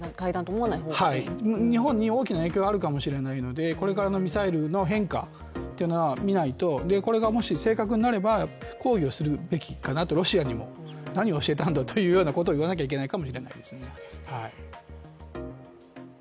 日本に大きな影響があるかもしれないのでこれからのミサイルの変化というのは見ないとこれがもし正確になれば抗議になるべき、ロシアにも、何を教えたんだというようなことを言わなきゃいけないかもしれないです。